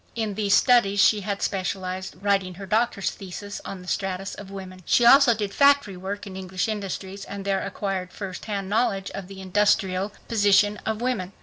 In these studies she had specialized, writing her doctor's thesis on the status of women. She also did factory work in English industries and there acquired first hand knowledge of the industrial position of women.